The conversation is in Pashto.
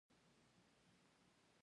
ستن پاڼې لرونکې ونې تل شنې وي